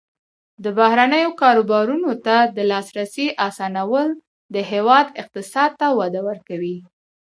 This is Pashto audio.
د بهرنیو کاروبارونو ته د لاسرسي اسانول د هیواد اقتصاد ته وده ورکوي.